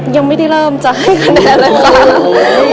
ยังไม่ได้เริ่มจะให้คะแนนเลยค่ะ